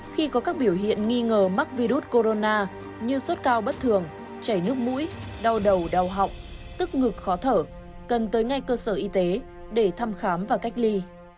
khi có các biểu hiện nghi ngờ mắc virus corona như sốt cao bất thường chảy nước mũi đau đầu đau họng tức ngực khó thở cần tới ngay cơ sở y tế để thăm khám và cách ly